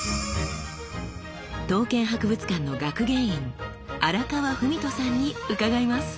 刀剣博物館の学芸員荒川史人さんに伺います。